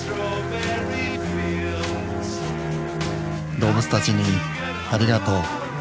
動物たちにありがとう。